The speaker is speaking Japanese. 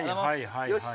よし！